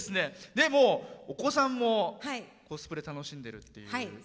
でも、お子さんもコスプレを楽しんでるっていう。